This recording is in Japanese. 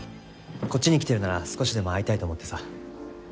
こっちに来てるなら少しでも会いたいと思ってさ。